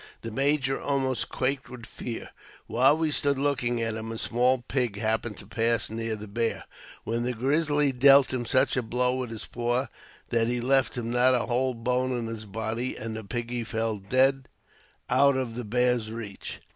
The major almost quaked with fear. While we stood looking at him, a small pig happened to pass near the bear, when Grizzly dealt him such a blow with his paw that he left him not a whole bone in his body, and piggy fell dead out of the bear's reach.